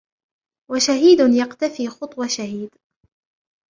و شهيد يقتفي خطو شهيد